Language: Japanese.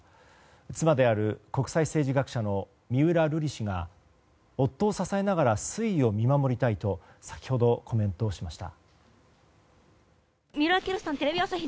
妻である国際政治学者の三浦瑠麗氏が夫を支えながら推移を見守りたいと先ほどコメントをしました。